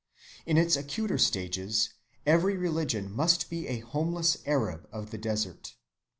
In its acuter stages every religion must be a homeless Arab of the desert.